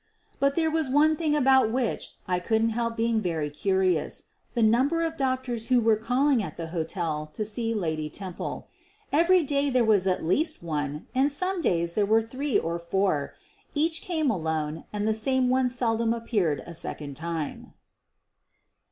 But there was one thing about which I couldn't help being very curious — the number of doctors who were calling at the hotel to see Lady Temple. Every day there was at least one and some days there were three or four — each came alone and the same one seldom appeared a second time.